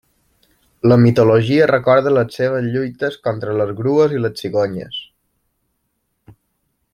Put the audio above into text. La mitologia recorda les seues lluites contra les grues i les cigonyes.